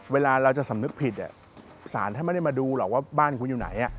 เวลาเราจะสำนึกผิดศาลท่านไม่ได้มาดูหรอกว่าบ้านคุณอยู่ไหน